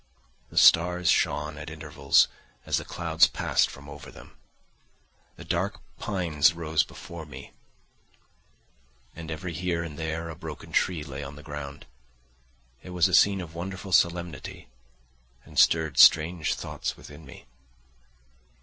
The stars shone at intervals as the clouds passed from over them; the dark pines rose before me, and every here and there a broken tree lay on the ground; it was a scene of wonderful solemnity and stirred strange thoughts within me.